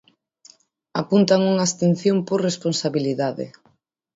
Apuntan a unha abstención por responsabilidade.